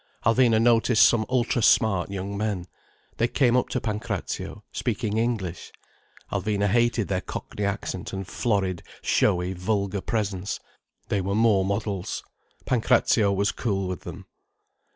Alvina noticed some ultra smart young men. They came up to Pancrazio, speaking English. Alvina hated their Cockney accent and florid showy vulgar presence. They were more models. Pancrazio was cool with them.